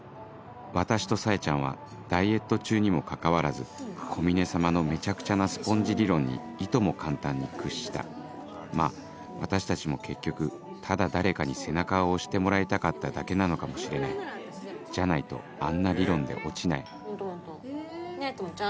私とサエちゃんはダイエット中にもかかわらず小峰様のめちゃくちゃなスポンジ理論にいとも簡単に屈したまぁ私たちも結局ただ誰かに背中を押してもらいたかっただけなのかもしれないじゃないとあんな理論で落ちないホントホントねぇ智ちゃん。